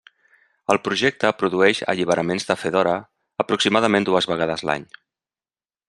El projecte produeix alliberaments de Fedora aproximadament dues vegades l'any.